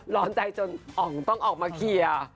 ร้อนใจจนอ๋องต้องออกมาเคลียร์